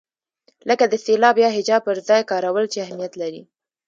لکه د سېلاب یا هجا پر ځای کارول چې اهمیت لري.